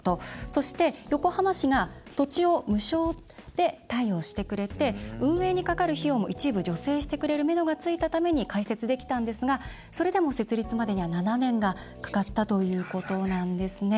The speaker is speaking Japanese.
そして、横浜市が土地を無償で貸与してくれて運営にかかる費用を一部助成してくれるめどがついたために開設できたんですがそれでも設立までには７年がかかったということなんですね。